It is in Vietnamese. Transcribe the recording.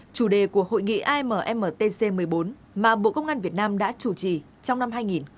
chủ đề của hội nghị ammtc một mươi bốn mà bộ công an việt nam đã chủ trì trong năm hai nghìn hai mươi